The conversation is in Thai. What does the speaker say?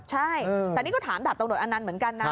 ใช่แต่นี่ก็ถามดาบตำรวจอนันต์เหมือนกันนะ